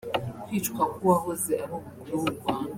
Kwicwa k’uwahoze ari umukuru w’u Rwanda